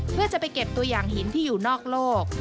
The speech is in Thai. เพื่อจะไปเก็บตัวอย่างหินที่อยู่นอกโลก